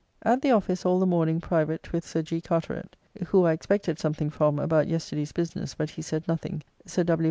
At the office all the morning private with Sir G. Carteret (who I expected something from about yesterday's business, but he said nothing), Sir W.